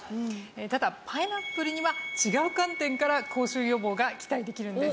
ただパイナップルには違う観点から口臭予防が期待できるんです。